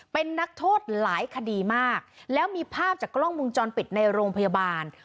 เป็นนักโทษหลายคดีมากแล้วมีภาพจากกล้องมุมจรปิดในโรงพยาบาล